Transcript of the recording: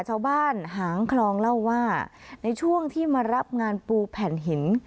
ชาวบ้านหางคลองเล่าว่าในช่วงที่มารับงานปูแผ่นหิน